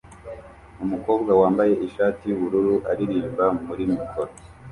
Umukobwa wambaye ishati yubururu aririmba muri mikoro